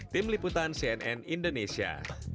tim liputan cnn indonesia